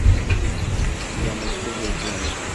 তিয়ামুতকে পেয়েছি আমি।